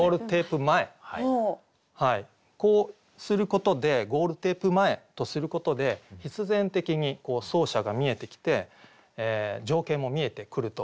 こうすることで「ゴールテープ前」とすることで必然的に走者が見えてきて情景も見えてくると思いますね。